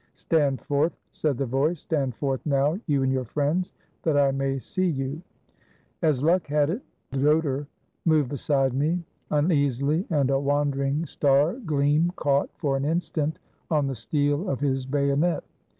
Stand forth," said the voice. "Stand forth, now, you and your friends, that I may see you." As luck had it, Dodor moved beside me, uneasily, and a wandering star gleam caught, for an instant, on the steel of his bayonet.